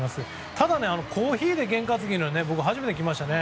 ただコーヒーで験担ぎは初めて聞きましたね。